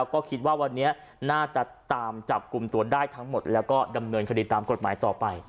ก็คิดว่าวันนี้น่าจะตามจับกลุ่มตัวได้ทั้งหมดแล้วก็ดำเนินคดีตามกฎหมายต่อไป